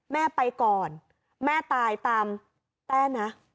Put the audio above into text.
แม่ไปก่อนแม่ตายตามแต้นะ